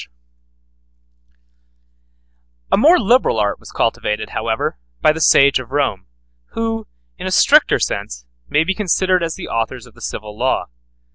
] A more liberal art was cultivated, however, by the sages of Rome, who, in a stricter sense, may be considered as the authors of the civil law.